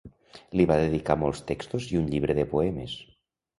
Li va dedicar molts textos i un llibre de poemes.